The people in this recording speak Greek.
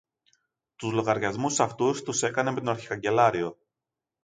Τους λογαριασμούς αυτούς τους έκανες με τον αρχικαγκελάριο.